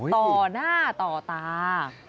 ต่อหน้าต่อตา